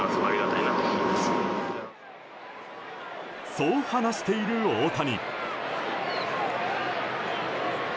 そう話している大谷。